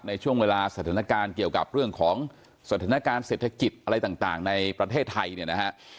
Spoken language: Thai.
ในช่วงเวลาสถานการณ์เกี่ยวกับเรื่องของสถานการณ์เศรษฐกิจอะไรต่างในประเทศไทยเนี่ยนะฮะ